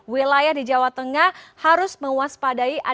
wilayah di jawa tengah harus mewaspadai adanya curah hujan